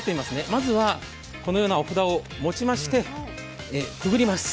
まずはこのような御札を持ちまして、くぐります。